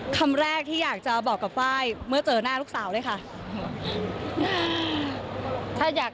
คำแรกที่อยากจะบอกกับไฟล์เมื่อเจอหน้าลูกสาวด้วยค่ะ